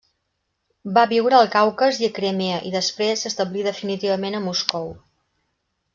Va viure al Caucas i a Crimea, i després s'establí definitivament a Moscou.